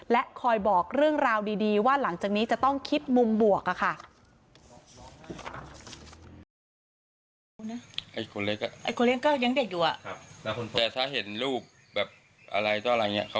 และคอยบอกเรื่องราวดีว่าหลังจากนี้จะต้องคิดมุมบวกค่ะ